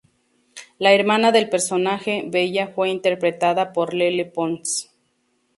La hermana del personaje, Bella, fue interpretada por Lele Pons.